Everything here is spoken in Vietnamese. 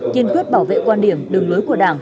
kiên quyết bảo vệ quan điểm đường lối của đảng